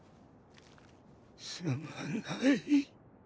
すまない。